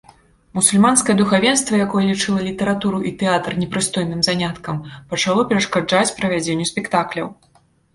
Мусульманскае духавенства, якое лічыла літаратуру і тэатр непрыстойным заняткам, пачало перашкаджаць правядзенню спектакляў.